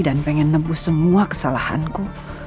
dan pengen nebus semua kesalahanku